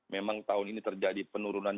memang tahun ini terjadi penurunan